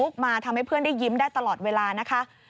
มาทำให้เพื่อนได้ยิ้มได้ตลอดเวลานะคะ